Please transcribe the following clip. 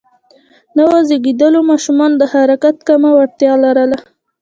نوو زېږیدليو ماشومان د حرکت کمه وړتیا لرله.